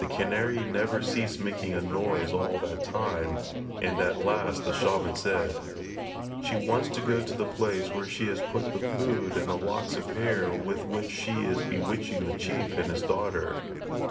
The canary never ceased making a noise all that time, and at last the shaman said: 'She wants to go to the place where she has put the food and the locks of hair with which she is bewitching the chief and his daughter.